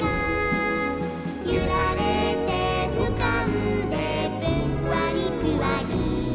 「ゆられてうかんでぷんわりぷわり」